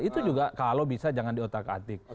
itu juga kalau bisa jangan diotak atik